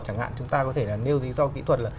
chẳng hạn chúng ta có thể là nêu lý do kỹ thuật là